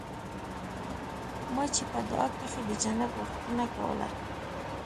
ما چې په دعا کښې د جنت غوښتنه کوله.